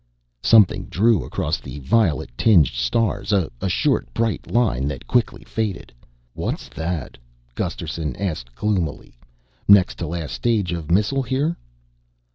Something drew across the violet tinged stars a short bright line that quickly faded. "What's that?" Gusterson asked gloomily. "Next to last stage of missile here?"